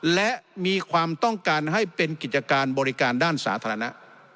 และมีความต้องการให้เป็นกิจการบริการด้านสาธารณะ